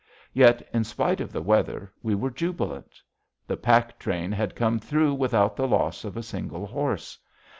Yet, in spite of the weather, we were jubilant. The pack train had come through without the loss of a single horse.